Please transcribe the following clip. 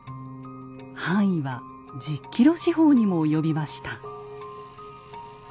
範囲は１０ｋｍ四方にも及びました。